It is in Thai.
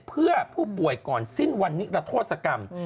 เพื่อผู้ป่วยก่อนสิ้นวันนิรโทษกรรม